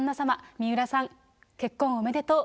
水卜さん、結婚おめでとう！